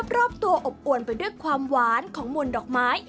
รอบตัวอบอวนไปด้วยความหวานของมวลดอกไม้